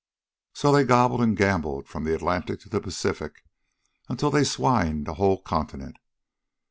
"So they gobbled and gambled from the Atlantic to the Pacific, until they'd swined a whole continent.